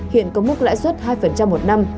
hiện có mức lãi suất hai một năm